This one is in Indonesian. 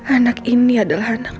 anak ini adalah anakmu